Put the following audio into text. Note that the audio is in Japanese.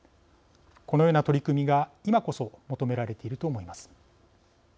このような取り組みが今こそ求められていると思います。